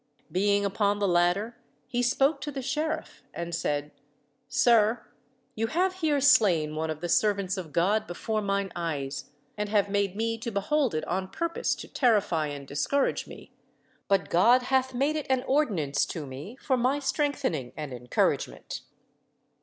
Being upon the ladder, he spoke to the sheriff and said, "Sir, you have here slain one of the servants of God before mine eyes, and have made me to behold it on purpose to terrify and discourage me, but God hath made it an ordinance to me for my strengthening and encouragement."